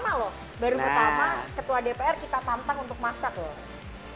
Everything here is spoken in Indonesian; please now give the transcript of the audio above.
baru pertama ketua dpr kita tantang untuk masak loh